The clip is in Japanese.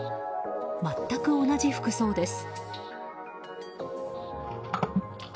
全く同じ服装です。